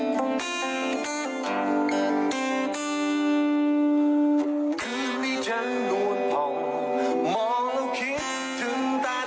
คืนนี้ฉันนวนผ่องมองแล้วคิดถึงตาเธอ